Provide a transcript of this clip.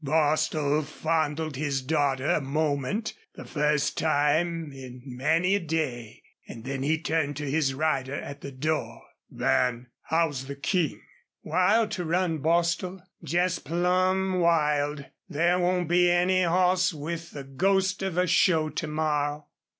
Bostil fondled his daughter a moment, the first time in many a day, and then he turned to his rider at the door. "Van, how's the King?" "Wild to run, Bostil, jest plumb wild. There won't be any hoss with the ghost of a show to morrow."